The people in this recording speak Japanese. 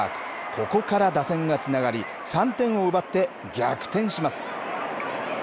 ここから打線がつながり、３点を奪って、逆転します。